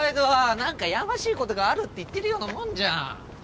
何かやましいことがあるって言ってるようなもんじゃん。